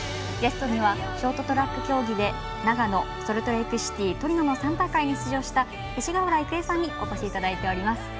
ゲストにはショートトラック競技で長野、ソルトレークシティートリノの３大会に出場した勅使川原郁恵さんにお越しいただいています。